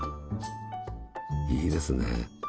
いいですね。